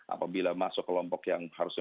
apabila masuk kelompok yang harusnya